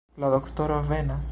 La doktoro venas!